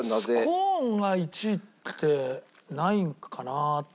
スコーンが１位ってないかなと。